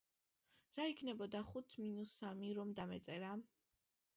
რა იქნებოდა ხუთს მინუს სამი რომ დამეწერა?